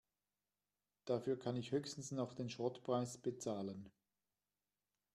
Dafür kann ich höchstens noch den Schrottpreis bezahlen.